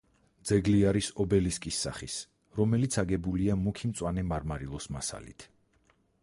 ძეგლი არის ობელისკის სახის, რომელიც აგებულია მუქი მწვანე მარმარილოს მასალით.